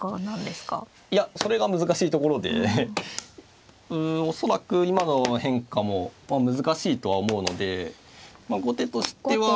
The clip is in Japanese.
いやそれが難しいところで恐らく今の変化も難しいとは思うので後手としては。後手５一角。